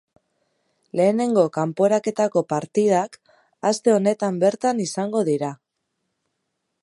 Lehenengo kanporaketako partidak aste honetan bertan izango dira.